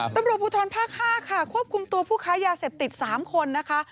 สำหรับผู้ท้อนภาคห้าค่ะควบคุมตัวผู้ค้ายาเสพติด๓คนนะคะ